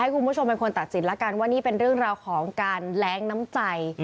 คุณผู้ชมเป็นคนตัดสินแล้วกันว่านี่เป็นเรื่องราวของการแร้งน้ำใจ